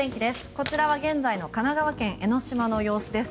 こちらは現在の神奈川県・江の島の様子です。